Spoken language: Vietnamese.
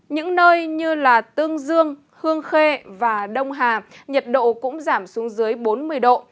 những nơi như tương dương hương khê và đông hà nhiệt độ cũng giảm xuống dưới bốn mươi độ